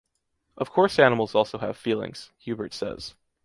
Of course animals also have feelings” Hubert says.